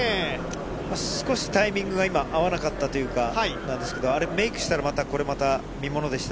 少しタイミングが合わなかったということなんですが、あれ、メークしたら、これまた見ものでした。